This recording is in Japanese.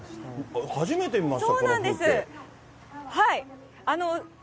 初めて見ました。